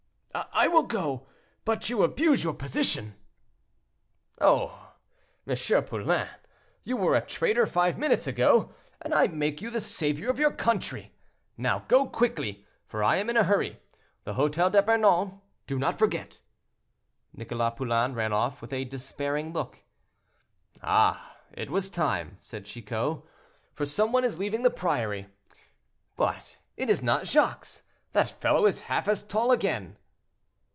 "I will go; but you abuse your position." "Oh! M. Poulain, you were a traitor five minutes ago, and I make you the savior of your country. Now, go quickly, for I am in a hurry. The Hotel d'Epernon—do not forget." Nicholas Poulain ran off, with a despairing look. "Ah! it was time," said Chicot, "for some one is leaving the priory. But it is not Jacques; that fellow is half as tall again."